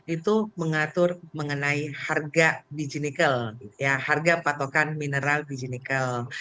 itu mengatur mengenai harga biji nikel harga patokan mineral biji nikel